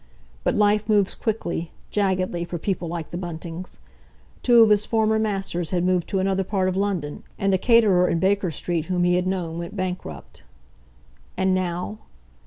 But life moves quickly, jaggedly, for people like the Buntings. Two of his former masters had moved to another part of London, and a caterer in Baker Street whom he had known went bankrupt. And now?